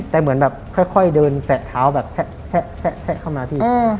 แต่เหมือนแบบค่อยเดินแสะเท้าแบบแซะเข้ามาพี่